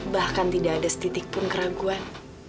bahkan tidak ada setitik pun keraguan